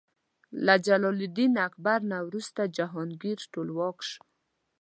له جلال الدین اکبر نه وروسته جهانګیر ټولواک شو.